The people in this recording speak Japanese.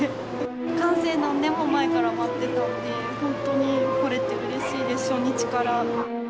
完成何年も前から待ってたんで、本当に来れてうれしいです、初日から。